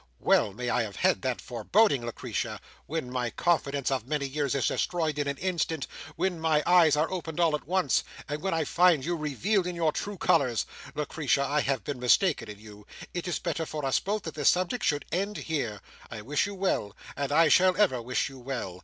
Well may I have had that foreboding, Lucretia, when my confidence of many years is destroyed in an instant, when my eyes are opened all at once, and when I find you revealed in your true colours. Lucretia, I have been mistaken in you. It is better for us both that this subject should end here. I wish you well, and I shall ever wish you well.